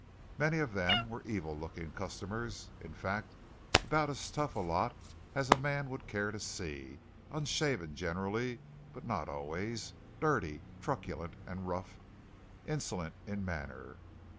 Many of them were evil looking customers, in fact about as tough a lot as a man would care to see, unshaven generally, but not always, dirty, truculent and rough, insolent in manner.